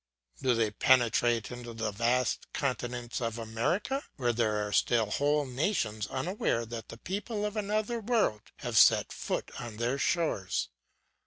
Do they penetrate into the vast continents of America, where there are still whole nations unaware that the people of another world have set foot on their shores?